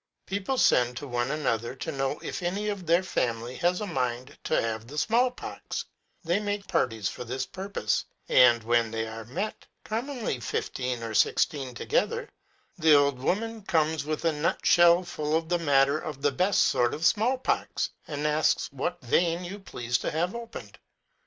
People send to one another to know if any of their family has a mind to have the small pox : they make parties for this purpose, and when they are met (commonly fifteen or sixteen together), the old woman comes with a nut shell full of the matter of the best sort of small pox, and asks what vein you please to have opened.